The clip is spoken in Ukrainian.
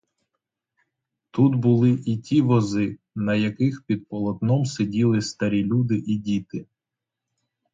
Тут були і ті вози, на яких під полотном сиділи старі люди і діти.